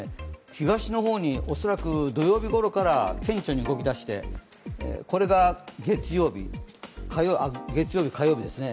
東の方に恐らく土曜日ごろから顕著に動き出して、これが月曜日、火曜日ですね。